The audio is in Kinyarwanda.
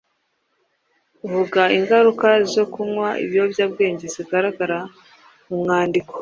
Vuga ingaruka zo kunywa ibiyobyabwenge zigaragara mu mwandiko.